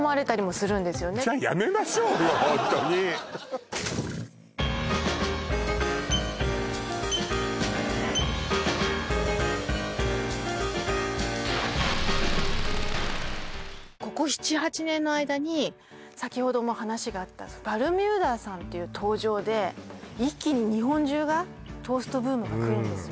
ホントにここ７８年の間に先ほども話があったバルミューダさんっていう登場で一気に日本中がトーストブームがくるんですよ